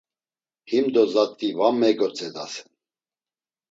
Himdo zat̆i va megotzedasen!